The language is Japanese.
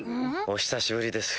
お久しぶりです